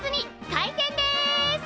開店です！